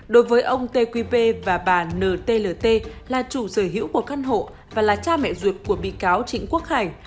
đối với ông tqp và bà nt là chủ sở hữu của căn hộ và là cha mẹ ruột của bị cáo trịnh quốc hải